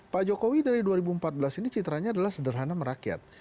pak jokowi dari dua ribu empat belas ini citranya adalah sederhana merakyat